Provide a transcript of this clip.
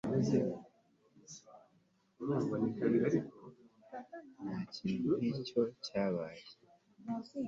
ntakintu nkicyo cyabaye